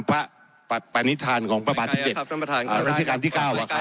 พระประนิษฐานของพระบาทที่๗รัฐศิการที่๙อ่ะครับ